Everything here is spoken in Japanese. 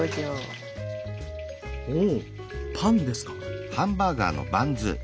おおパンですか。